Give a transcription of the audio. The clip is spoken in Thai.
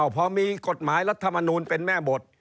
พอมีกฎหมายรัฐมนูลเป็นแม่บท